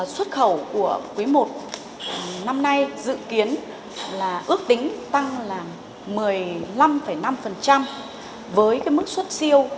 xuất khẩu của quý i năm nay dự kiến là ước tính tăng là một mươi năm năm với mức xuất siêu